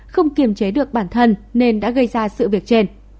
không kiềm chế được bản thân nên đã gây ra sự việc trên